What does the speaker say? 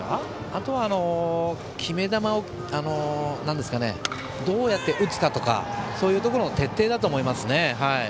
あとは、決め球をどうやって打つかとかそういうところの徹底だと思います。